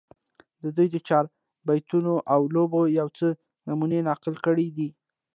د دوي د چاربېتواو لوبو يو څو نمونې نقل کړي دي